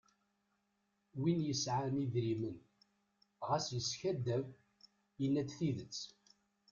Win yesɛan idrimen. ɣas yeskadeb. yenna-d tidet.